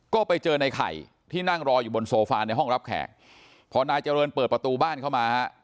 ก็ไปเจอในไข่ที่นั่งรออยู่บนโซฟาในห้องรับแขกพอนายเจริญเปิดประตูบ้านเข้ามาฮะ